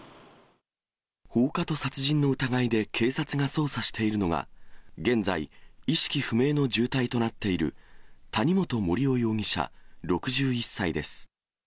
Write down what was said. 放火と殺人の疑いで警察が捜査しているのが、現在、意識不明の重体となっている谷本盛雄容疑者６１歳です。